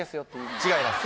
違います